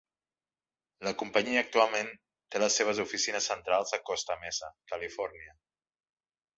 La companyia actualment té les seves oficines centrals a Costa Mesa, Califòrnia.